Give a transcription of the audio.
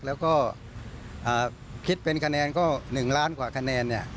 แล้วก็คิดเป็นคะแนนก็๑ล้านกว่าคะแนนเนี่ย